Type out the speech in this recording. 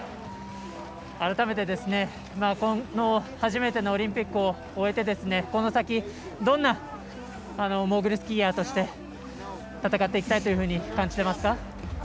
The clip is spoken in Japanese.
改めて初めてのオリンピックを終えてこの先、どんなモーグルスキーヤーとして戦っていきたいというふうに感じていますか？